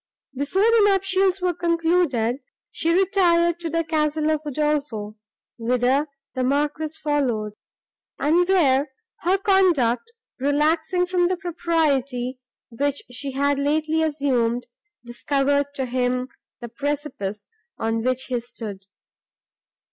Before the nuptials were concluded, she retired to the castle of Udolpho, whither the Marquis followed, and, where her conduct, relaxing from the propriety, which she had lately assumed, discovered to him the precipice, on which he stood.